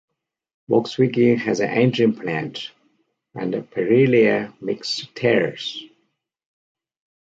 Volkswagen has an engine plant, and Pirelli makes tyres.